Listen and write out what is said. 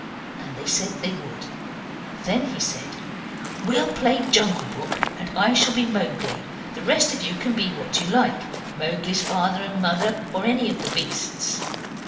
And they said they would. Then he said, 'We'll play Jungle Book, and I shall be Mowgli. The rest of you can be what you like Mowgli's father and mother, or any of the beasts.